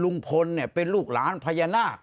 ลุงพลเป็นลูกหลานพญานาค